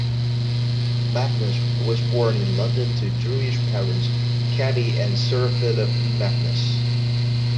Magnus was born in London to Jewish parents Katie and Sir Philip Magnus.